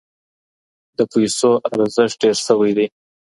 د پیسو ارزښت ډیر سوی دی.